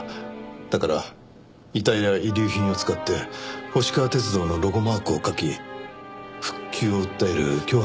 だから遺体や遺留品を使って星川鐵道のロゴマークを描き復旧を訴える脅迫。